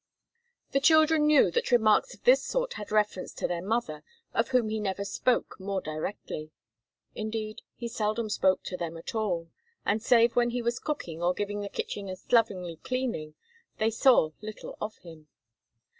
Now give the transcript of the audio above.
The children knew that remarks of this sort had reference to their mother, of whom he never spoke more directly; indeed he seldom spoke to them at all, and save when he was cooking or giving the kitchen a slovenly cleaning they saw little of him.